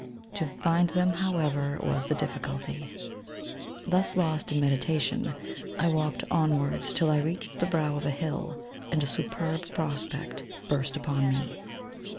'* Tp find them, however, was the difficulty. Thus lost in meditation, I walked onwards till I reached the brow of a hill, and a superb prospect burst upon me.